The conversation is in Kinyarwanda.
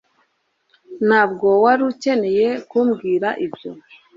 Ntabwo wari ukeneye kumbwira ibyo